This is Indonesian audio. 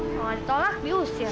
kalau nggak ditolak diusir